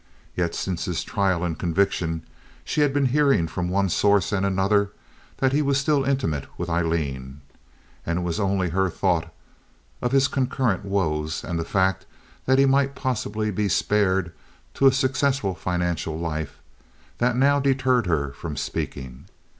Yet since his trial and conviction, she had been hearing from one source and another that he was still intimate with Aileen, and it was only her thought of his concurrent woes, and the fact that he might possibly be spared to a successful financial life, that now deterred her from speaking.